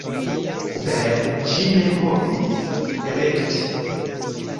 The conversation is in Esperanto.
Sed ŝi ne povis elekti.